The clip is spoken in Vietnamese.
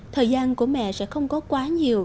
thời gian của mẹ sẽ không có quá nhiều